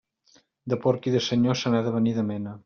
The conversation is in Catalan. De porc i de senyor, se n'ha de venir de mena.